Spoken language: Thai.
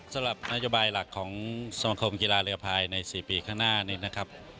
สำหรับนโยบายหลักของสมคมกีฬาเรือภายใน๔ปีข้างหน้านี้นะครับ